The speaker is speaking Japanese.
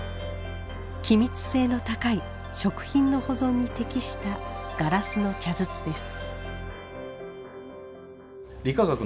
気密性の高い食品の保存に適したガラスの茶筒です。